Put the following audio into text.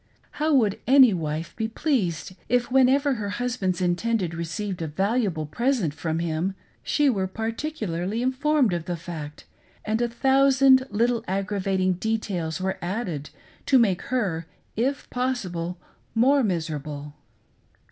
How would' any wife be pleased if, whenever her husband's intended received a valuable present from him, she were particularly informed of the fact, and a thousand little aggravating details were added to make her, if possible, more miserable.